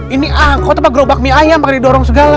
ini kok tepat gerobak mie ayam pakai didorong segala